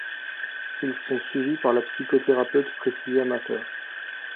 Ils sont suivis par la psychothérapeute Priscilla Mather.